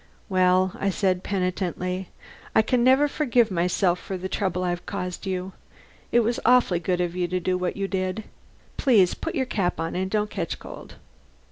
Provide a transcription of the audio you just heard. "Well," I said penitently, "I can never forgive myself for the trouble I've caused you. It was awfully good of you to do what you did. Please put your cap on and don't catch cold."